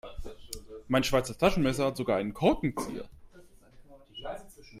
Mein Schweizer Taschenmesser hat sogar einen Korkenzieher.